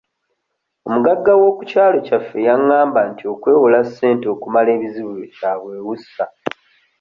Omugagga w'okukyalo kyaffe yangamba nti okwewola ssente okumala ebizibu byo kya bwewussa.